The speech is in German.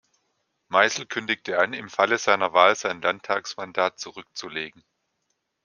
Meisl kündigte an, im Falle seiner Wahl sein Landtagsmandat zurückzulegen.